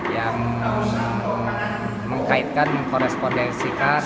yang mengkaitkan mengkorespondensikan